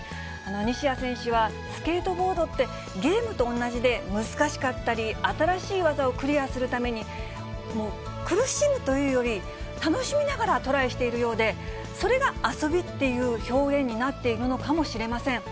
西矢選手は、スケートボードってゲームと同じで難しかったり、新しい技をクリアするために、もう、苦しむというより楽しみながらトライしているようで、それが遊びっていう表現になっているのかもしれません。